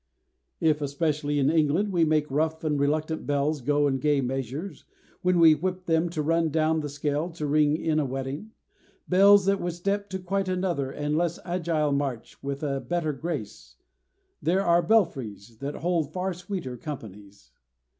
If, especially in England, we make rough and reluctant bells go in gay measures, when we whip them to run down the scale to ring in a wedding bells that would step to quite another and a less agile march with a better grace there are belfries that hold far sweeter companies.